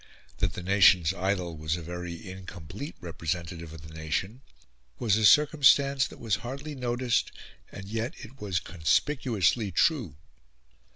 That the nation's idol was a very incomplete representative of the nation was a circumstance that was hardly noticed, and yet it was conspicuously true.